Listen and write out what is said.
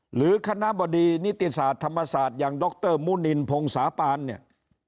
หรือคณะบดีนิติศาสตร์ธรรมศาสตร์อย่างดรมุนินพงศาปานเนี่ย